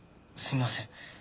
すいません。